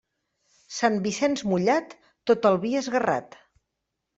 Sant Vicenç mullat, tot el vi esguerrat.